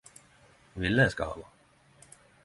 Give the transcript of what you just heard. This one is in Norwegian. Ville eg skapa